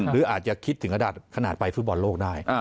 หรืออาจจะคิดถึงขนาดไปฟุตบอลโลกได้